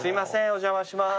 お邪魔します。